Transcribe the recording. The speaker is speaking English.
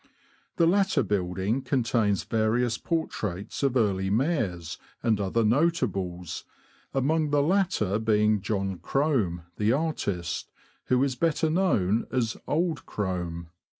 The latter building contains various portraits of early mayors and other notables, among the latter being John Crome, the artist, who is better known as " Old Crome."